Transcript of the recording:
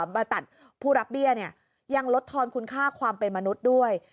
มาตัดผู้รับเบี้ยยังลดทอนคุณค่าความเป็นมนุษย์ด้วย